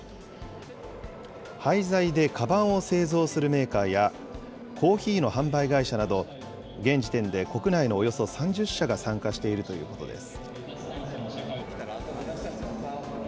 廃材でかばんを製造するメーカーや、コーヒーの販売会社など、現時点で国内のおよそ３０社が参加しているということです。